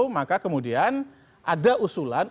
maka kemudian ada usulan